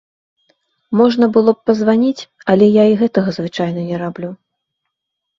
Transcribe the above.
Можна было б пазваніць, але я і гэтага звычайна не раблю.